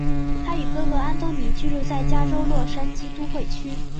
他与哥哥安东尼居住在加州洛杉矶都会区。